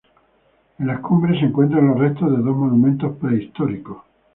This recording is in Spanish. En la cumbre se encuentran los restos de dos monumentos prehistóricos.